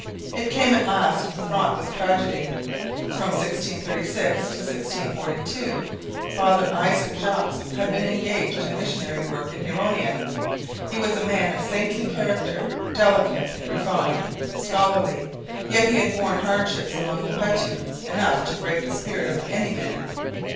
It came at last, fraught with tragedy. From 1636 to 1642 Father Isaac Jogues had been engaged in missionary work in Huronia. He was a man of saintly character, delicate, refined, scholarly; yet he had borne hardships among the Petuns enough to break the spirit of any man.